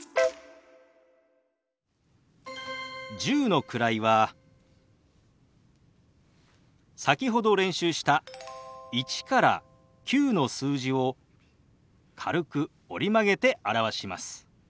１０の位は先ほど練習した１から９の数字を軽く折り曲げて表します。